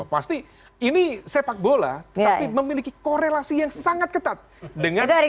pasti ini sepak bola tetapi memiliki korelasi yang sangat ketat dengan urusan politik